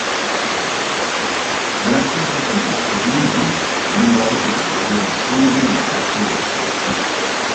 Gracias a su mentor Munson, es nombrado profesor de ""materia medica"" y de ""botánica"".